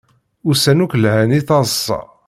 Ussan akk lhan i taḍsa